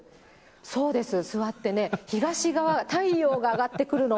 そうです、座ってね、東側、太陽が上がってくるの